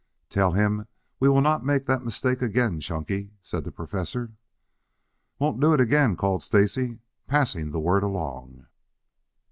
"Tell him we will not make that mistake again, Chunky," said the Professor. "Won't do it again," called Stacy, passing the word along.